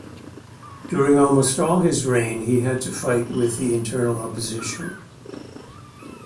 During almost all his reign he had to fight with the internal opposition.